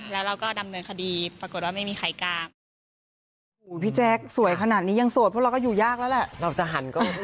แล้วเราก็ดำเนินคดีปรากฏว่าไม่มีใครกลาง